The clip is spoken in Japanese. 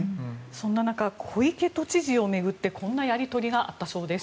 そんな中小池都知事を巡ってこんなやり取りがあったようです。